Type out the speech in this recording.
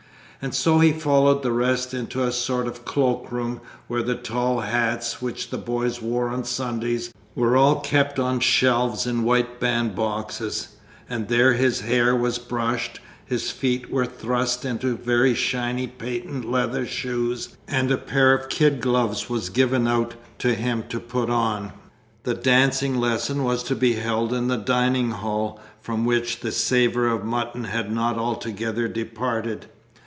And so he followed the rest into a sort of cloak room, where the tall hats which the boys wore on Sundays were all kept on shelves in white bandboxes; and there his hair was brushed, his feet were thrust into very shiny patent leather shoes, and a pair of kid gloves was given out to him to put on. The dancing lesson was to be held in the "Dining Hall," from which the savour of mutton had not altogether departed.